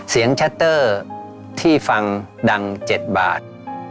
เสียงชัตเตอร์ที่ฟังดังเจ็ดบาท